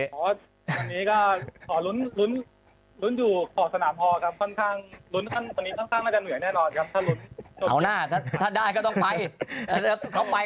อ๋อวันนี้ก็อ๋อลุ้นอยู่ขอบสนามพอครับค่อนข้างลุ้นตอนนี้ค่อนข้างน่าจะเหนื่อยแน่นอนครับถ้าลุ้น